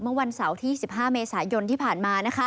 เมื่อวันเสาร์ที่๒๕เมษายนที่ผ่านมา